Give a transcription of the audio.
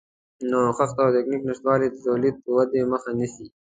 د نوښت او تخنیک نشتوالی د تولیدي ودې مخه نیسي.